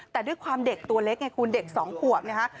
แต่ด้วยความเด็กตัวเล็กไงคุณเด็ก๒ขวบนะฮะ